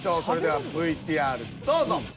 それではＶＴＲどうぞ。